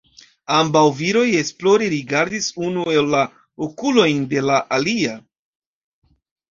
Ambaŭ viroj esplore rigardis unu en la okulojn de la alia.